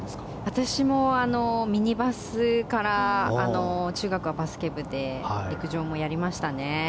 私もミニバスから中学はバスケ部で陸上もやりましたね。